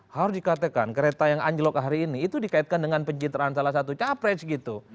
harus dikatakan kereta yang anjlok hari ini itu dikaitkan dengan pencitraan salah satu capres gitu